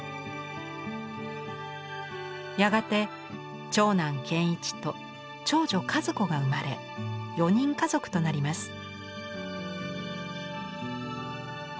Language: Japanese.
やがて長男・賢一と長女・和子が生まれ４人家族となります。